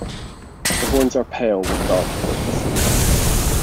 The horns are pale with dark points.